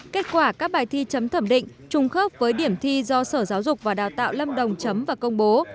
kết quả các bài thi chấm thẩm định trùng khớp với điểm thi do sở giáo dục và đào tạo lâm đồng chấm và công bố